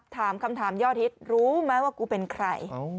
ถามคำถามยอดฮิตรู้ไหมว่ากูเป็นใคร